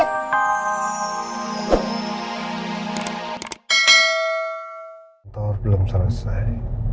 tentor belum selesai